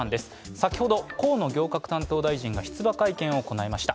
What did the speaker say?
先ほど河野行改担当大臣が出馬会見を行いました。